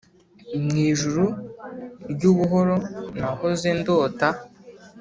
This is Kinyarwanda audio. mu ijuru ry' ubuhoro nahoze ndota